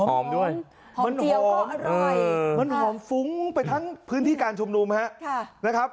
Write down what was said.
หอมด้วยมันหอมฟุ้งไปทั้งพื้นที่การชุมนุมนะครับ